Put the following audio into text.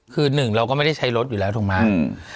คือหนึ่งเราก็ไม่ได้ใช้รถอยู่แล้วถูกไหม